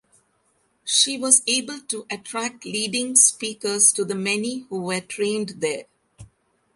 She was able to attract leading speakers to the many who were trained there.